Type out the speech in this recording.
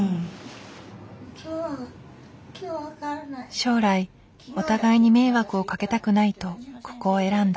将来お互いに迷惑をかけたくないとここを選んだ。